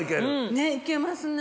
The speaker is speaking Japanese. ねぇ行けますね。